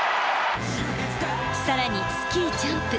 さらにスキージャンプ。